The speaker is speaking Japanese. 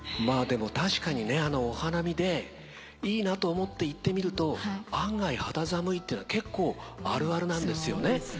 まあでも確かにねお花見でいいなと思って行ってみると案外肌寒いってのは結構あるあるなんですよね。